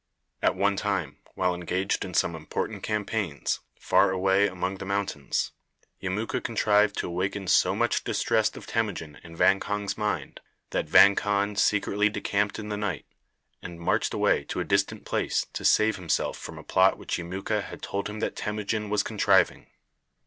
At one time, while engaged in some important campaigns, far away among the mountains, Yemuka contrived to awaken so much distrust of Temujin in Vang Khan's mind, that Vang Khan secretly decamped in the night, and marched away to a distant place to save himself from a plot which Yemuka had told him that Temujin was contriving.